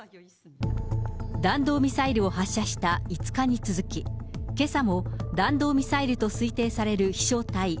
弾道ミサイルを発射した５日に続き、けさも弾道ミサイルと推定される飛しょう体